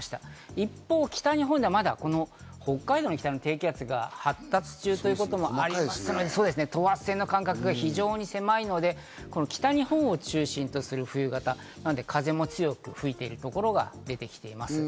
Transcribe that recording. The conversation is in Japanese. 一方、北日本ではまだ北海道の北に低気圧が発達中ということもあって、等圧線の間隔が非常に狭いので、北日本を中心とする冬型なので風も強く吹いているところが出てきています。